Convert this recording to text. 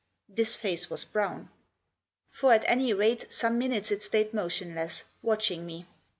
This face was brown. For at any rate some minutes it stayed motionless, watching me.